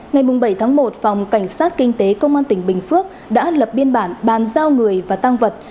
ngày bảy tháng một phòng cảnh sát kinh tế công an tỉnh bình phước đã lập biên bản bàn giao người và tăng vật